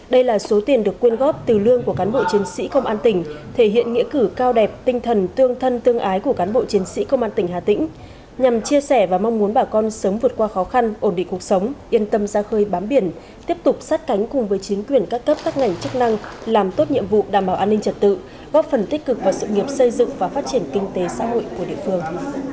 đây là số tiền được quyên góp từ lương của cán bộ chiến sĩ công an tỉnh thể hiện nghĩa cử cao đẹp tinh thần tương thân tương ái của cán bộ chiến sĩ công an tỉnh hà tĩnh nhằm chia sẻ và mong muốn bà con sớm vượt qua khó khăn ổn định cuộc sống yên tâm ra khơi bám biển tiếp tục sát cánh cùng với chính quyền các cấp các ngành chức năng làm tốt nhiệm vụ đảm bảo an ninh trật tự góp phần tích cực vào sự nghiệp xây dựng và phát triển kinh tế xã hội của địa phương